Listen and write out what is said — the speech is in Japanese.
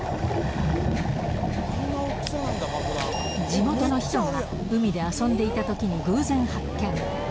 地元の人が海で遊んでいたときに偶然発見。